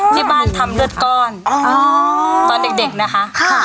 ที่บ้านทำเลือดก้อนอ๋อตอนเด็กเด็กนะคะค่ะอ่า